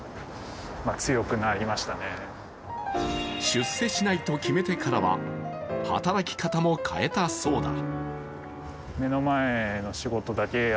出世しないと決めてからは働き方も変えたそうだ。